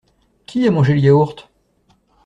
Qui a mangé le yaourt?